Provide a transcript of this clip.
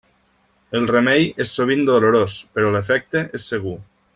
El remei és sovint dolorós, però l'efecte és segur.